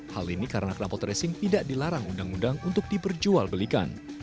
hal ini karena kenalpot racing tidak dilarang undang undang untuk diperjual belikan